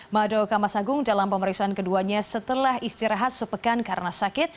mada okama sagung dalam pemeriksaan keduanya setelah istirahat sepekan karena sakit